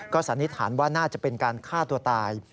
สันนิษฐานว่าน่าจะเป็นการฆ่าตัวตาย